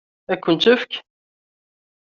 Ad kent-tt-tefk?